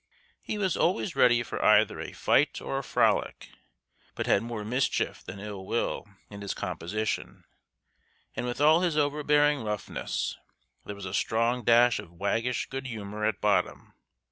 He was always ready for either a fight or a frolic, but had more mischief than ill will in his composition; and with all his overbearing roughness there was a strong dash of waggish good humor at bottom.